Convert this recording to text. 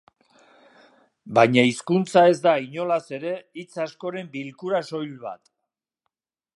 Baina hizkuntza ez da inolaz ere hitz askoren bilkura soil bat.